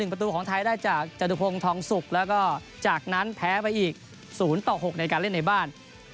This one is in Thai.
ประตูของไทยได้จากจตุพงศ์ทองสุกแล้วก็จากนั้นแพ้ไปอีก๐ต่อ๖ในการเล่นในบ้าน